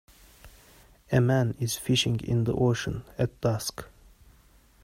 A man is fishing in the ocean at dusk.